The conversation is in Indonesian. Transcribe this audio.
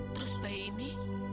terus bayi ini